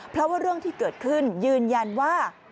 เพราะว่าเรื่องที่เกิดขึ้นยืนยันว่า